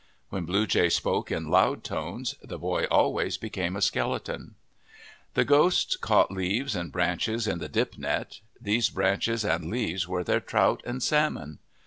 When Blue Jay spoke in loud tones, the boy always became a skeleton. The ghosts caught leaves and branches in the dip net. These branches and leaves were their trout and salmon.